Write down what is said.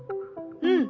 うん。